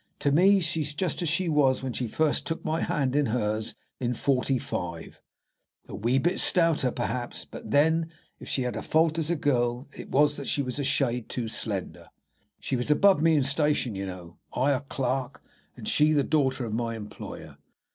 To me she's just as she was when she first took my hand in hers in '45. A wee little bit stouter, perhaps, but then, if she had a fault as a girl, it was that she was a shade too slender. She was above me in station, you know I a clerk, and she the daughter of my employer.